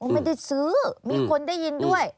ไม่ได้ซื้อมีคนได้ยินด้วย